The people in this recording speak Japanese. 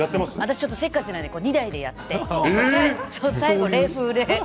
私ちょっとせっかちなんで２台でやって最後冷風で。